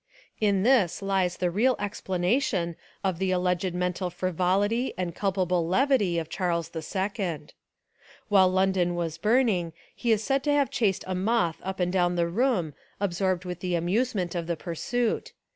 In this lies the real explanation of the alleged mental frivolity and culpable levity of Charles II. While London was burning he is said to have chased a moth up and down the room absorbed with the amusement of the pursuit.